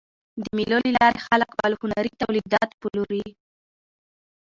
د مېلو له لاري خلک خپل هنري تولیدات پلوري.